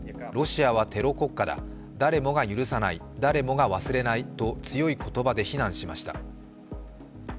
ロシアはテロ国家だ誰もが許さない誰もが忘れないと強い言葉で非難しました。